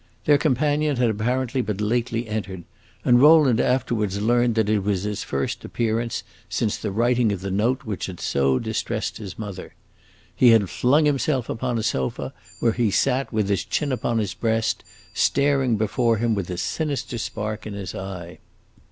Their companion had apparently but lately entered, and Rowland afterwards learned that it was his first appearance since the writing of the note which had so distressed his mother. He had flung himself upon a sofa, where he sat with his chin upon his breast, staring before him with a sinister spark in his eye.